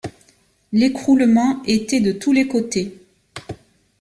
L’écroulement était de tous les côtés.